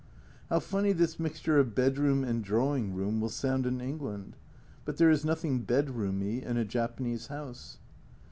How funny this mixture of bedroom and A Journal from Japan 219 drawing room will sound in England ! But there is nothing " bedroomy " in a Japanese house.